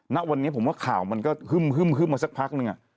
ณวันนี้ผมว่าข่าวมันก็ฮึ่มมาสักพักนึง